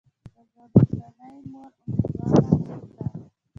د غرڅنۍ مور امیدواره ده.